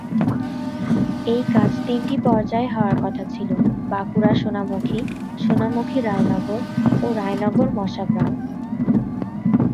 এই কাজ তিনটি পর্যায়ে হওয়ার কথা ছিল: বাঁকুড়া-সোনামুখী, সোনামুখী-রায়নগর ও রায়নগর-মশাগ্রাম।